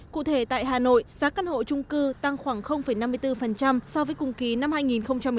cụ thể tại hà nội giá căn hộ trung cư tăng khoảng năm mươi bốn so với cùng kỳ năm hai nghìn một mươi chín